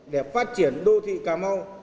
để phát triển đô thị cà mau